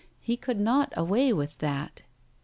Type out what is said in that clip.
... He could not away with that. .